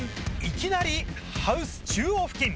いきなりハウス中央付近。